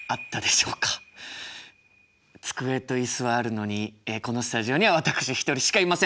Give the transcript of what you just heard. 机と椅子はあるのにこのスタジオには私一人しかいません。